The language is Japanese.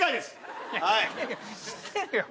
知ってるよ。